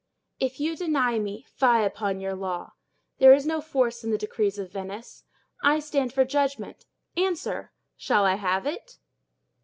"If you deny me, fie upon your law! There is no force in the decrees of Venice: I stand for judgment: answer, shall I have it?"